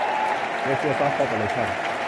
เอเชียซอฟท์ คอร์ปอเรชั่น